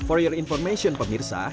untuk informasi anda pemirsa